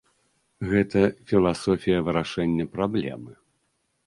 Гэта філасофія вырашэння праблемы.